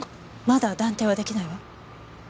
まだ断定は出来ないわ。